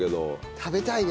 食べたいね。